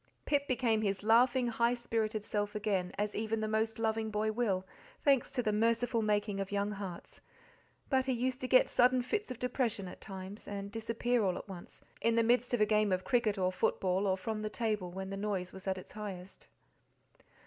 Pip became his laughing, high spirited self again, as even the most loving boy will, thanks to the merciful making of young hearts; but he used to get sudden fits of depression at times, and disappear all at once, in the midst of a game of cricket or football, or from the table when the noise was at its highest.